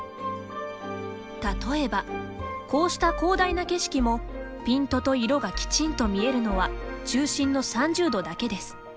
例えば、こうした広大な景色もピントと色がきちんと見えるのは中心の３０度だけです。